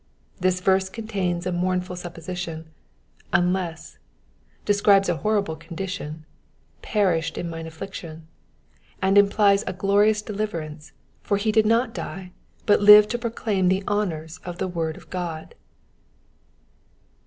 This verse contains a moumfm aiipposition *'wn^«"; describes a horrible condition —'^^ perished in mini affliction'''; and implies a glorious deliverance, for he did not die, but live to proclaim the honours of the word of God.